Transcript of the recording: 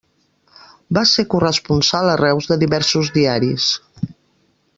Va ser corresponsal a Reus de diversos diaris.